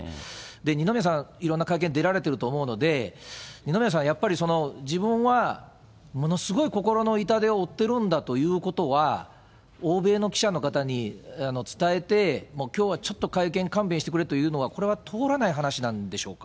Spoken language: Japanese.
二宮さん、いろんな会見出られていると思うので、二宮さん、やっぱり自分はものすごい心の痛手を負ってるんだということは、欧米の記者の方に伝えて、もうきょうはちょっと会見、勘弁してくれというのは、これは通らない話なんでしょうか。